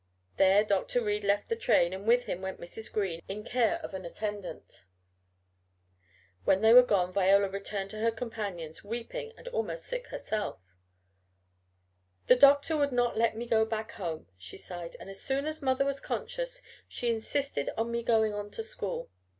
There Dr. Reed left the train and with him went Mrs. Green in care of an attendant. When they were gone Viola returned to her companions weeping and almost sick herself. "The doctor would not let me go back home," she sighed, "and as soon as mother was conscious she insisted on me going on to school.